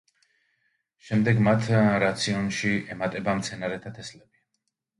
შემდეგ მათ რაციონში ემატება მცენარეთა თესლები.